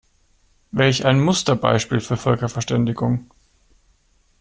Welch ein Musterbeispiel für Völkerverständigung!